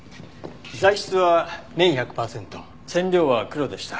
材質は綿１００パーセント染料は黒でした。